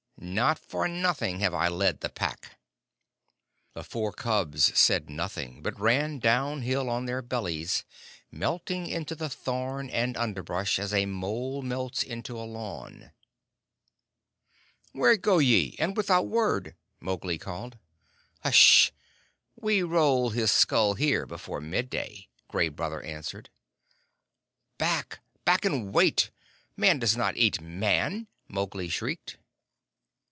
"Not for nothing have I led the Pack." The four cubs said nothing, but ran down hill on their bellies, melting into the thorn and underbrush as a mole melts into a lawn. "Where go ye, and without word?" Mowgli called. "H'sh! We roll his skull here before midday!" Gray Brother answered. "Back! Back and wait! Man does not eat Man!" Mowgli shrieked.